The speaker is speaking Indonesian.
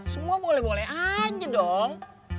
semua boleh boleh aja dong